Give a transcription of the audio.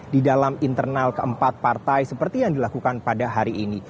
di dalam internal keempat partai seperti yang dilakukan pada hari ini